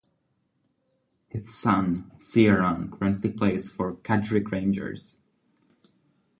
His son Ciaran currently plays for Carrick Rangers.